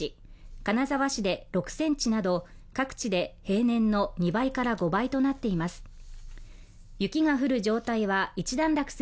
金沢市で６センチなど各地で平年の２倍から５倍となっています